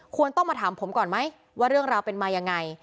ต้องมาถามผมก่อนไหมว่าเรื่องราวเป็นมายังไง